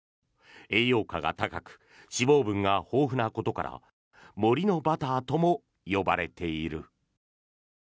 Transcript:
栄養価が高く脂肪分が豊富なことから森のバターとも呼ばれている。